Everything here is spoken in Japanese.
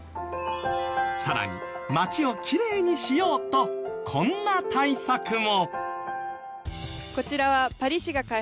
さらに街をきれいにしようとこんな対策も。